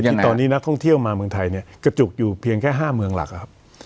ที่ตอนนี้นักท่องเที่ยวมาเมืองไทยเนี่ยกระจุกอยู่เพียงแค่๕เมืองหลักครับ